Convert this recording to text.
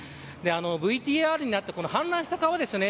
ＶＴＲにあった氾濫した川ですね